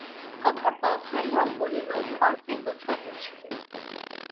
কথা বদলাইয়া বলিল, ঘর কে গোছায় বলছিলি?